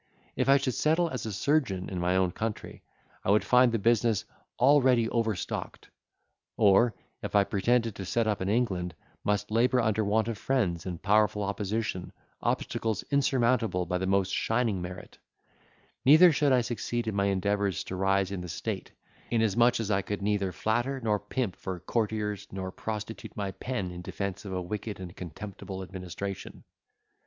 If I should settle as a surgeon in my own country, I would find the business already overstocked; or, if I pretended to set up in England, must labour under want of friends and powerful opposition, obstacles insurmountable by the most shining merit: neither should I succeed in my endeavours to rise in the state, inasmuch as I could neither flatter nor pimp for courtiers, nor prostitute my pen in defence of a wicked and contemptible administration.